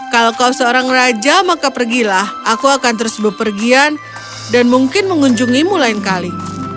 kalau kau seorang raja maka pergilah aku akan terus berpergian dan mungkin mengunjungimu lain kali